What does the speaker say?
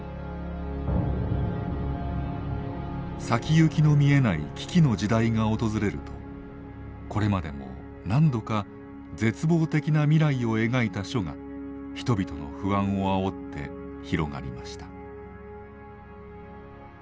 先行きの見えない危機の時代が訪れるとこれまでも何度か絶望的な未来を描いた書が人々の不安をあおって広がりました。